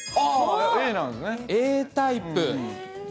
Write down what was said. Ａタイプ。